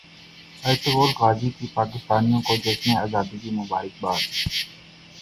Ertugrul Ghazi کی پاکستانیوں کو جشن زادی کی مبارکباد